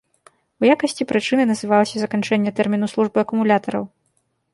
У якасці прычыны называлася заканчэнне тэрміну службы акумулятараў.